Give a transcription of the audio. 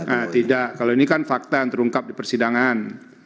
nah tidak kalau ini kan fakta yang terungkap di persidangan